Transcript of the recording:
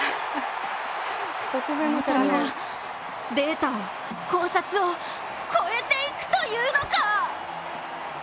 大谷は、データを、考察を超えていくというのか！？